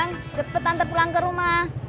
bang cepet antar pulang ke rumah